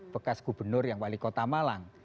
bekas gubernur yang wali kota malang